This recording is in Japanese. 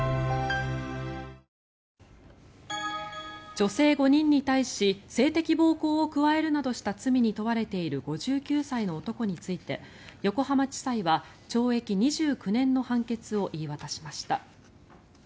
女性５人に対し性的暴行を加えるなどした罪に問われている５９歳の男について横浜地裁は懲役２９年の判決を言い渡しました。